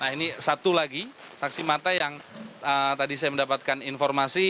ini satu lagi saksi mata yang tadi saya mendapatkan informasi